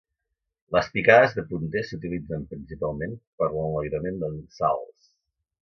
Les picades de punter s'utilitzen principalment per a l'enlairament en salts.